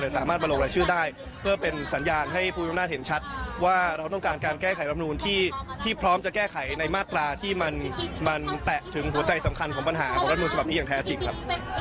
สามารถมาลงรายชื่อได้เพื่อเป็นสัญญาณให้ผู้มีอำนาจเห็นชัดว่าเราต้องการการแก้ไขรับนูนที่พร้อมจะแก้ไขในมาตราที่มันแตะถึงหัวใจสำคัญของปัญหาของรัฐมนตฉบับนี้อย่างแท้จริงครับ